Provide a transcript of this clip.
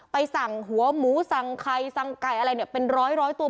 ไปสั่งหัวหมูสั่งไข่สั่งไก่อะไรเนี่ยเป็นร้อยตัว